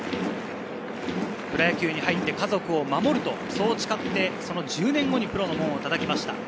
プロ野球に入って、家族を守ると誓って、その１０年後にプロの門を叩きました。